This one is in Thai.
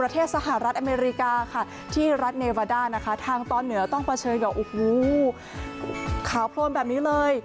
ที่รัฐเนวาดาทางตอนเหนือต้องเผชิญกับขาวโพนแบบนี้เลย